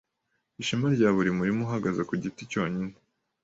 ishema rya buri murima ihagaze ku giti cyonyine